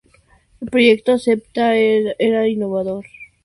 El proyecto aceptado era innovador y moderno.